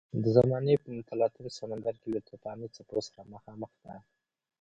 د زمانې په متلاطم سمندر کې له توپاني څپو سره مخامخ ده.